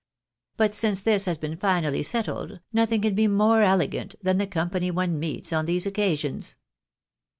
But since this has been finally settled, nothing can be more elegant than the company one meets on these occasions."